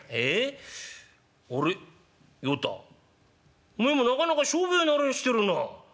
与太おめえもなかなか商売慣れしてるな。